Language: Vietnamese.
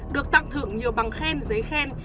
được tặng thưởng nhiều bằng khen giấy khen